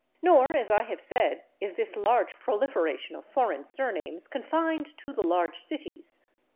Nor, as I have said, is this large proliferation of foreign surnames confined to the large cities.